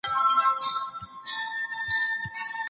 پلار او زوی سره خبرې نه شي کولای.